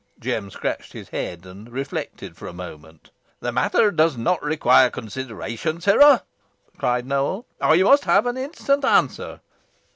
Jem scratched his head, and reflected a moment. "The matter does not require consideration, sirrah," cried Nowell. "I must have an instant answer."